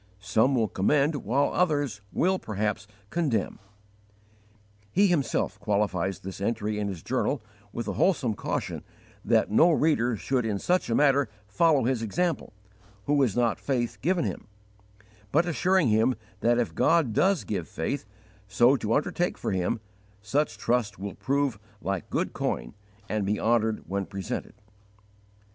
Some will commend, while others will, perhaps, condemn. He himself qualifies this entry in his journal with a wholesome caution that no reader should in such a matter follow his example, who has not faith given him; but assuring him that if God does give faith so to undertake for Him, such trust will prove like good coin and be honoured when presented.